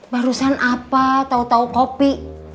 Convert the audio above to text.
barusan apa tau tau kopi